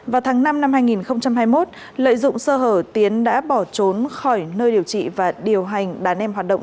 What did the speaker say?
vào tháng năm năm hai nghìn hai mươi một lợi dụng sơ hở tiến đã bỏ trốn khỏi nơi điều trị và điều hành đàn em hoạt động